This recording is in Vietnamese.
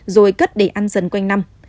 rồi cất để ăn dần quanh năm